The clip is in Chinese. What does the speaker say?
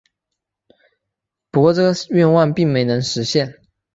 不过这个愿望并没能实现。